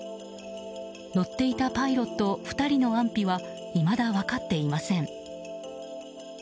乗っていたパイロット２人の安否はいまだ分かっていません。